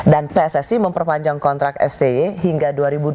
dan pssi memperpanjang kontrak stj hingga dua ribu dua puluh tujuh